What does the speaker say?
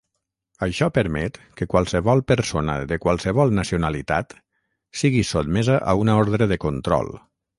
Això permet que qualsevol persona de qualsevol nacionalitat sigui sotmesa a una ordre de control.